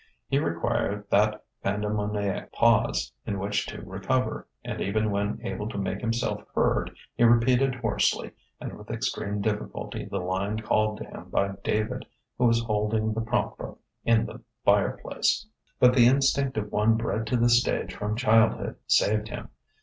He required that pandemoniac pause in which to recover; and even when able to make himself heard, he repeated hoarsely and with extreme difficulty the line called to him by David who was holding the prompt book, in the fireplace. But the instinct of one bred to the stage from childhood saved him.